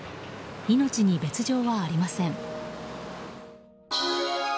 命に別条はありません。